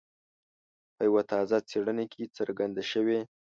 په یوه تازه څېړنه کې څرګنده شوي.